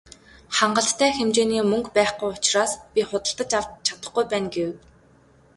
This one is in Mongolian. "Хангалттай хэмжээний мөнгө байхгүй учраас би худалдаж авч чадахгүй байна" гэв.